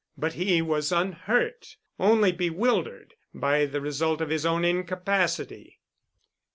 But he was unhurt—only bewildered by the result of his own incapacity.